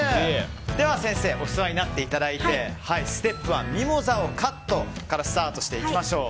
では先生お座りになっていただいてステップ１、ミモザをカットからスタートしていきましょう。